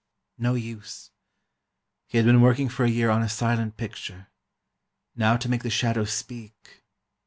No use. He had been working for a year on a silent picture. Now to make the shadows speak